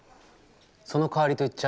そのかわりと言っちゃ